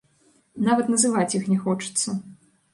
Нават называць іх не хочацца.